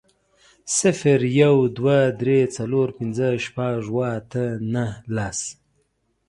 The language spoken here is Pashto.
صفر، يو، دوه، درې، څلور، پنځه، شپږ، اووه، اته، نهه، لس